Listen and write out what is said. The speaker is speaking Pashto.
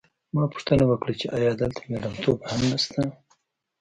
ما پوښتنه وکړه چې ایا دلته مېړنتوب هم نشته